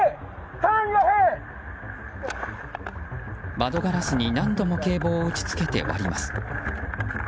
窓ガラスに何度も警棒を打ちつけて割ります。